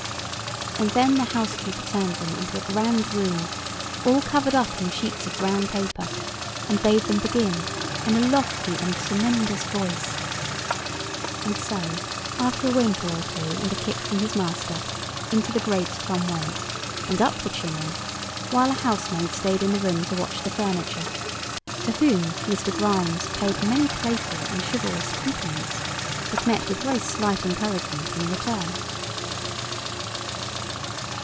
And then the housekeeper turned them into a grand room, all covered up in sheets of brown paper, and bade them begin, in a lofty and tremendous voice; and so after a whimper or two, and a kick from his master, into the grate Tom went, and up the chimney, while a housemaid stayed in the room to watch the furniture; to whom Mr. Grimes paid many playful and chivalrous compliments, but met with very slight encouragement in return.